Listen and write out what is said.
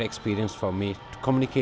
đến với việt nam lần đầu tiên